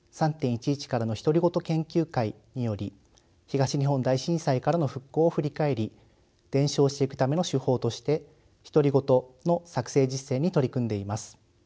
研究会により東日本大震災からの復興を振り返り伝承していくための手法として独り言の作成実践に取り組んでいます。